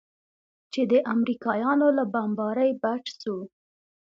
چې د امريکايانو له بمبارۍ بچ سو.